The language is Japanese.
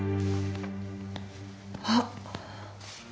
あっ。